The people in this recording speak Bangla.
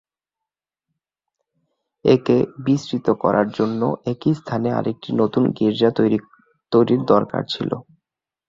একে বিস্তৃত করার জন্য একই স্থানে আরেকটি নতুন গীর্জা তৈরীর দরকার ছিল।